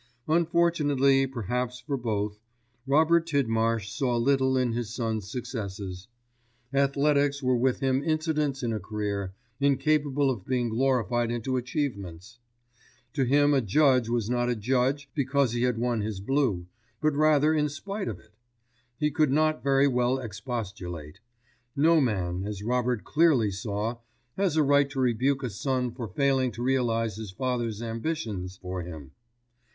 Unfortunately perhaps for both, Robert Tidmarsh saw little in his son's successes. Athletics were with him incidents in a career, incapable of being glorified into achievements. To him a judge was not a judge because he had won his blue, but rather in spite of it. He could not very well expostulate. No man, as Robert clearly saw, has a right to rebuke a son for failing to realise his father's ambitions for him.